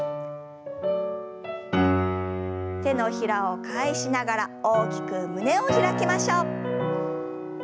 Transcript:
手のひらを返しながら大きく胸を開きましょう。